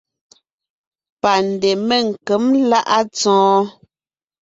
Pandè Menkěm láʼa Tsɔɔ́n.